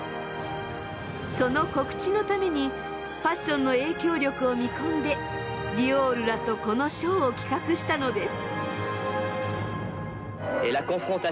その告知のためにファッションの影響力を見込んでディオールらとこのショーを企画したのです。